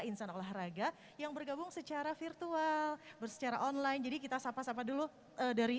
insan olahraga yang bergabung secara virtual bersejarah online jadi kita sapa sapa dulu dari